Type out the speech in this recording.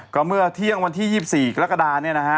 ก็เมื่อเที่ยงวันที่๒๔กรกฎา